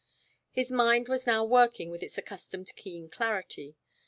His mind was now working with its accustomed keen clarity.